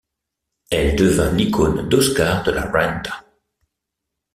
Elle devint l’icône d’Oscar de la Renta.